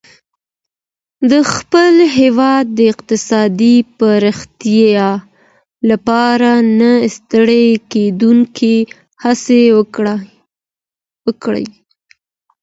د خپل هېواد د اقتصادي پرمختيا لپاره نه ستړې کېدونکې هڅي وکړئ.